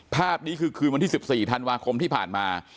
ภาพนี้คือคืนวันที่๑๔ธันวาคมที่ผ่านมา